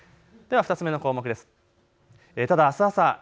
では２つ目の項目です。